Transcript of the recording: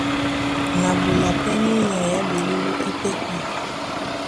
Na ɓola pɛ́ mɔ́ nyay á ɓeɓoló ípɛ́pɛ̄.